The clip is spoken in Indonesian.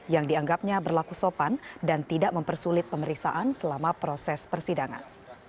yang dianggapnya berlaku sopan dan tidak mempersulit pemeriksaan selama proses persidangan